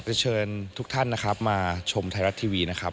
จะเชิญทุกท่านมาชมไทยรัฐทีวีนะครับ